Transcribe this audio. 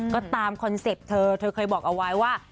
ก็ตามคอนเซ็ปต์เธอเธอเคยบอกเอาไว้ว่า